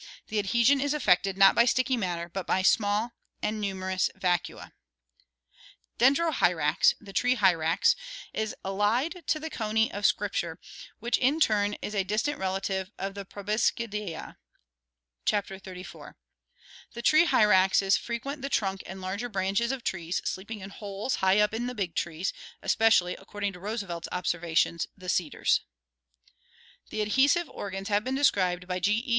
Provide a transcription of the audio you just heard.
The adhesion is effected not by sticky matter, but by small and numerous vacua. SCANSORIAL ADAPTATION 343 Dendrohyrax, the tree hyrax, is allied to the coney of Scripture, which in turn is a distant relative of the Proboscidea (Chapter XXXIV). The tree hyraxes frequent the trunk and larger branches of trees, sleeping in holes high up in the big trees, especially, ac cording to Roosevelt's observations, the cedars. The adhesive organs have been described by G. E.